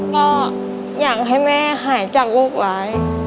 ก็อยากให้แม่หายจากโรคร้าย